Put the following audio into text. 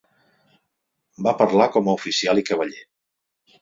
Va parlar com a oficial i cavaller.